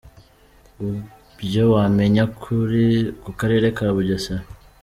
Ibyo wamenya ku Karere ka Bugesera.